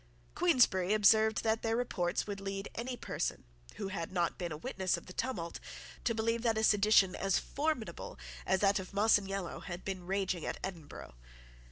Queensberry observed that their reports would lead any person, who had not been a witness of the tumult, to believe that a sedition as formidable as that of Masaniello had been raging at Edinburgh.